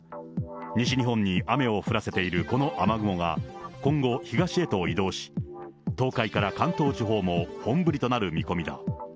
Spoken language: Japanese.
西日本に雨を降らせているこの雨雲が、今後、東へと移動し、東海から関東地方も本降りとなる見込みだ。